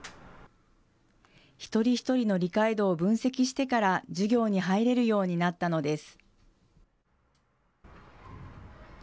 一人一人の理解度を分析してから授業に入れるようになったのです。